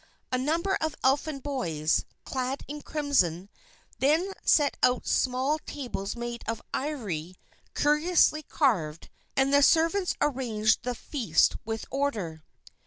A number of Elfin boys, clad in crimson, then set out small tables made of ivory curiously carved, and the servants arranged the feast with order.